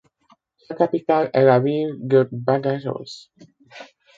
Sa capitale est la ville de Badajoz.